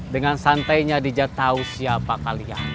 dengan santainya nija tau siapa kalian